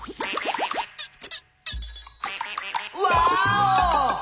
ワーオ！